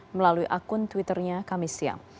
melalui akun twitternya kamisiam